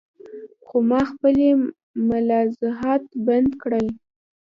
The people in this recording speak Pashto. خو ما خپلې ملاحظات بربنډ کړل.